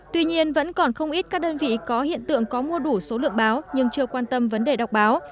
tuy nhiên vẫn còn không ít các đơn vị có hiện tượng có mua đủ số lượng báo nhưng chưa quan tâm vấn đề đọc báo